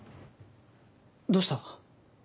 どうした？